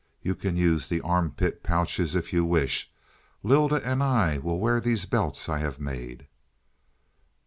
You can use the armpit pouches if you wish; Lylda and I will wear these belts I have made."